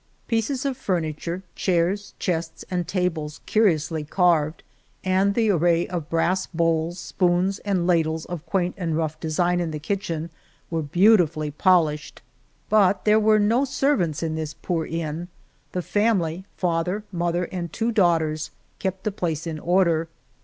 Pieces of furniture, chairs, chests, and tables, curiously carved, and the array of brass 156 El Toboso bowls, spoons, and ladles of quaint and rough design in the kitchen were beautifully pol ished. But there were no servants in this poor inn. The family — father, mother, and two daughters — kept the place in order.